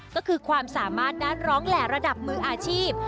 ก็คือความสามารถด้านร้องแหล่ระดับมืออาชีพ